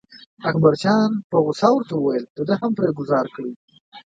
اکبرجان په غوسه ورته وویل ده هم پرې ګوزار کړی.